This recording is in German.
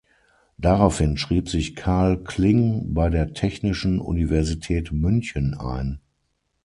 Daraufhin schrieb sich Karl Kling bei der Technischen Universität München ein.